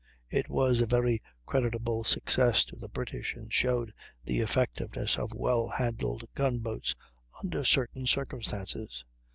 It was a very creditable success to the British, and showed the effectiveness of well handled gun boats under certain circumstances.